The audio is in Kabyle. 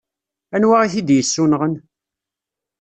Anwa i t-id-yessunɣen?